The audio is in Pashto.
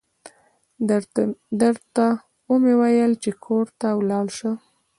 درته و مې ويل چې کور ته ولاړه شه.